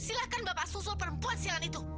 silakan bapak susul perempuan siang itu